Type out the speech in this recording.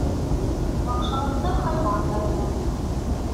Яҡшылыҡты хайуан да белә.